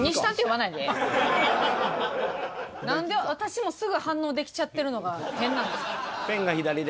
私もすぐ反応できちゃってるのが変なんです。